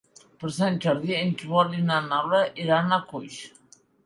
Per Sant Jordi en Joan i na Laura iran a Coix.